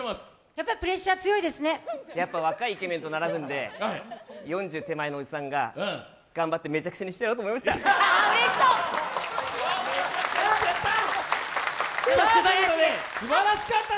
やっぱ若いイケメンと並ぶんで４０手前のおじさんが頑張ってめちゃくちゃにしてやろうと思いました！